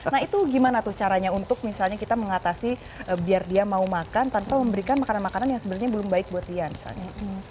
nah itu gimana tuh caranya untuk misalnya kita mengatasi biar dia mau makan tanpa memberikan makanan makanan yang sebenarnya belum baik buat dia misalnya